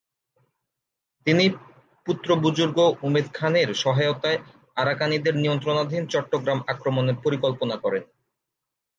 তিনি পুত্র বুযুর্গ উমেদ খান-এর সহায়তায় আরাকানিদের নিয়ন্ত্রণাধীন চট্টগ্রাম আক্রমণের পরিকল্পনা করেন।